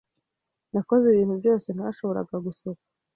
Nakoze ibintu byose ntashoboraga guseka